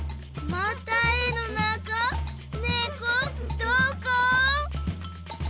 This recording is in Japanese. また絵のなかねこどこ？